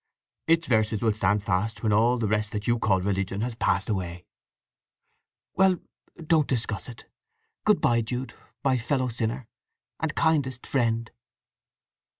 Its verses will stand fast when all the rest that you call religion has passed away!" "Well—don't discuss it. Good bye, Jude; my fellow sinner, and kindest friend!"